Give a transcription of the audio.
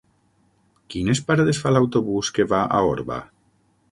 Quines parades fa l'autobús que va a Orba?